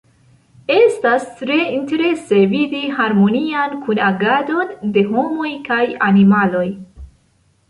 Estas tre interese vidi harmonian kunagadon de homoj kaj animaloj.